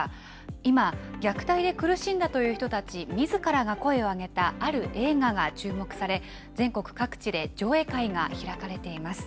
今、虐待で苦しんだという人たちみずからが声を上げた、ある映画が注目され、全国各地で上映会が開かれています。